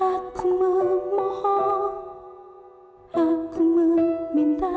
aku memohon aku meminta